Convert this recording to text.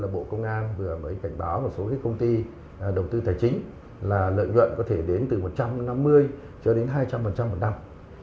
bộ công an vừa mới cảnh báo một số công ty đầu tư tài chính là lợi nhuận có thể đến từ một trăm năm mươi cho đến hai trăm linh một năm